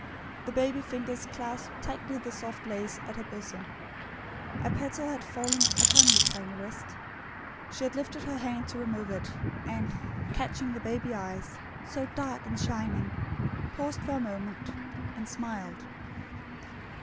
The baby fingers clasped tightly the soft lace at her bosom. A petal had fallen upon the tiny wrist. She had lifted her hand to remove it; and, catching the baby eyes, so dark and shining, paused for a moment, and smiled.